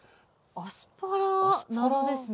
アスパラ謎ですね。